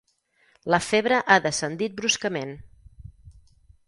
La febre ha descendit bruscament.